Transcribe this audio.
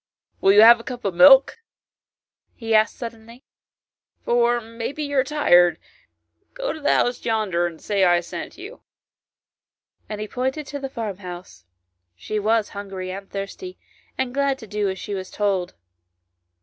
" Will you have a cup of milk ?" he asked suddenly, " for maybe you are tired ; go to the house yonder, and say I sent you ;" and he pointed to the farm house. She was hungry and thirsty, and glad to do as she was told.